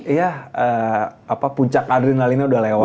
iya puncak adrenalinnya udah lewat